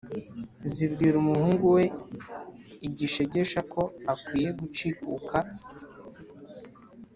zibwira umuhungu we gishegesha ko akwiye gucikuka,